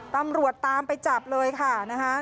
ตำรวจตามไปจับเลยค่ะนะคะ